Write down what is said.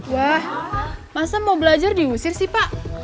wah masa mau belajar diusir sih pak